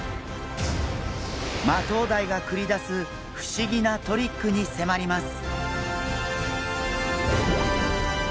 マトウダイが繰り出す不思議なトリックに迫ります！